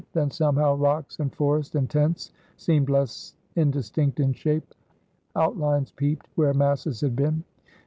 Then somehow rocks and forest and tents seemed less indistinct in shape; outlines peeped where masses had been.